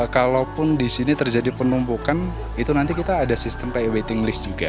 kalaupun di sini terjadi penumpukan itu nanti kita ada sistem pay waiting list juga